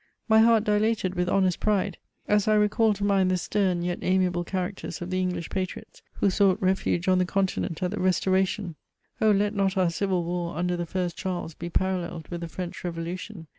My heart dilated with honest pride, as I recalled to mind the stern yet amiable characters of the English patriots, who sought refuge on the Continent at the Restoration! O let not our civil war under the first Charles be paralleled with the French Revolution!